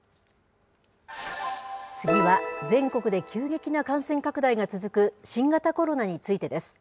次は、全国で急激な感染拡大が続く新型コロナについてです。